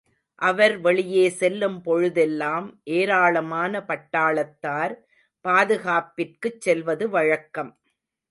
அவர் வெளியே செல்லும் பொழுதுதெல்லாம் ஏராளமான பட்டாளத்தார் பாதுகாப்பிற்குச் செல்வது வழக்கம்.